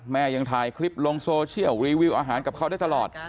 ยังถ่ายคลิปลงโซเชียลรีวิวอาหารกับเขาได้ตลอด